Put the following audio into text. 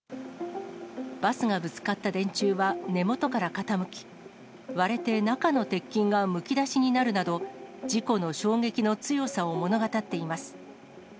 バスがぶつかった電柱は根元から傾き、割れて中の鉄筋がむき出しになるなど、事故の衝撃の強さを物語っています。